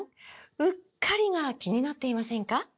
“うっかり”が気になっていませんか？